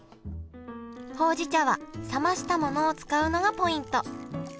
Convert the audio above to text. ほうじ茶は冷ましたものを使うのがポイント。